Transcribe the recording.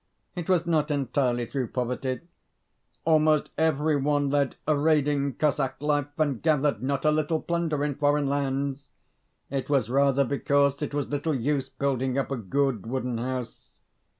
It was not entirely through poverty: almost every one led a raiding Cossack life, and gathered not a little plunder in foreign lands; it was rather because it was little use building up a good wooden house.